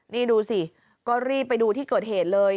นี่ดูสิก็รีบไปดูที่เกิดเหตุเลย